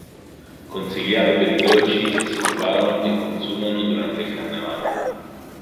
Consigliato per i dolci che si preparano e consumano durante il carnevale.